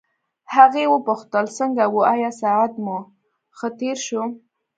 هغې وپوښتل څنګه وو آیا ساعت مو ښه تېر شو.